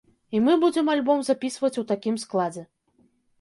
І мы будзем альбом запісваць у такім складзе.